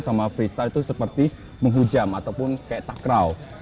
sama freestyle itu seperti menghujam ataupun kayak takraw